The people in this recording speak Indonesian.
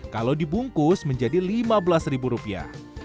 kalau dibungkus menjadi lima belas ribu rupiah